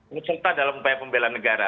mencerta dalam upaya pembela negara